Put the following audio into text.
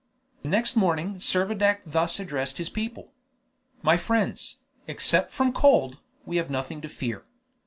Next morning, Servadac thus addressed his people. "My friends, except from cold, we have nothing to fear.